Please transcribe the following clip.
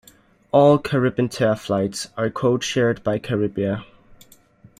All Caribintair flights are codeshared by Caribair.